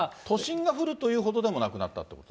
都心が降るというほどでもなくなったと？